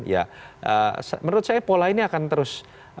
ya menurut saya pola ini akan terus